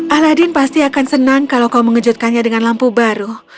aladin pasti akan senang kalau kau mengejutkannya dengan lampu baru